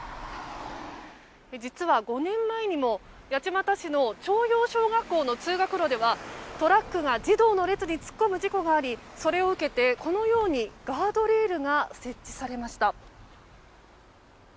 実は５年前にも八街市の朝陽小学校の通学路ではトラックが児童の列に突っ込む事故がありそれを受けて、このようにガードレールが設置されました。